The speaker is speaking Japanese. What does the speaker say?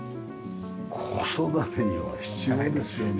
子育てには必要ですよね。